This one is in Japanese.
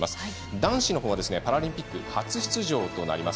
男子のほうはパラリンピック初出場となります